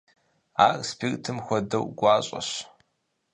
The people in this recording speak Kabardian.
Ар спиртым хуэдэу гуащӀэщ.